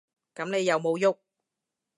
噉你有無郁？